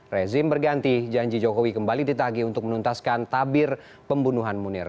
rezim berganti janji jokowi kembali ditagi untuk menuntaskan tabir pembunuhan munir